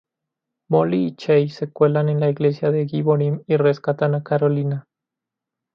Molly y Chase se cuelan en la Iglesia de Gibborim y rescatan a Karolina.